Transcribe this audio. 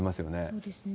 そうですね。